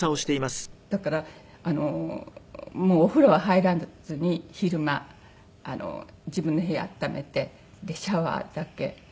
だからもうお風呂は入らずに昼間自分の部屋暖めてシャワーだけ。